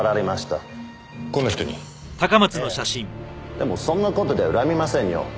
でもそんな事で恨みませんよ。